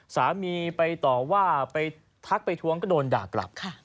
สามีไปต่อว่าไปทักไปทวงก็โดนด่ากลับ